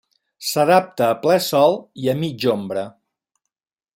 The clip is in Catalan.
S'adapta a ple sol i a mitja ombra.